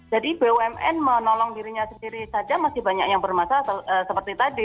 jadi bumn menolong dirinya sendiri saja masih banyak yang bermasalah seperti tadi